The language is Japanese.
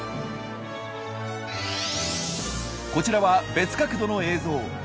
こちらは別角度の映像。